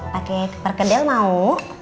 pakai perkedel mau